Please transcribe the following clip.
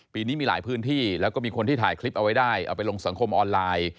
ปีนี้มีหลายพื้นที่แล้วก็มีคนที่ถ่ายคลิปเอาไว้ได้เอาไปลงสังคมออนไลน์